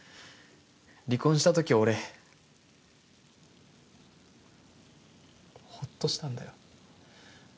離婚した時俺ホッとしたんだよ。